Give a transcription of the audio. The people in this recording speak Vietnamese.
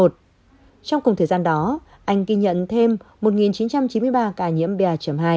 trong cùng thời gian đó anh ghi nhận thêm một chín trăm chín mươi ba ca nhiễm ba hai